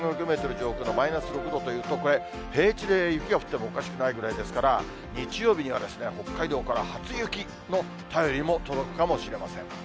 上空のマイナス６度というと、これ、平地で雪が降ってもおかしくないぐらいですから、日曜日には北海道から初雪の便りも届くかもしれません。